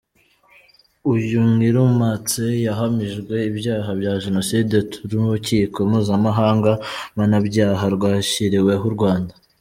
Uyu Ngirumpatse yahamijwe ibyaha bya Jenoside n’urukiko mpuzamahanga mpanabyaha rwashyiriweho u Rwanda.